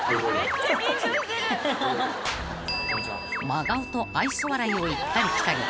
［真顔と愛想笑いを行ったり来たり］